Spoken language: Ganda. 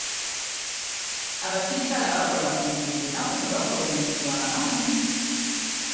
Abasirikale abakola ku nguudo ennaku zino bakola omulimu gwa maanyi.